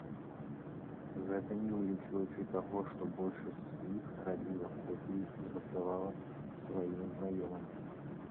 Гэта не ўлічваючы таго, што большасць з іх рабіла копіі і раздавала сваім знаёмым.